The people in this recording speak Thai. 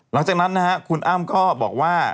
แล้วจากนั้นคุณอ้ำก็บอกว่า